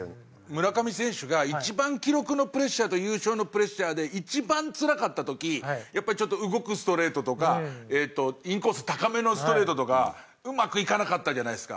村上選手が一番記録のプレッシャーと優勝のプレッシャーで一番つらかった時やっぱりちょっと動くストレートとかインコース高めのストレートとかうまくいかなかったじゃないですか。